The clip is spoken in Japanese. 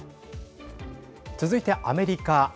続いてアメリカ。